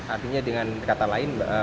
artinya dengan kata lain